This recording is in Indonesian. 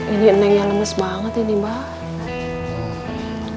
ini neng yang lemes banget ini mbah